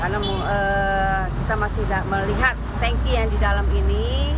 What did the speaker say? karena kita masih melihat tanki yang di dalam ini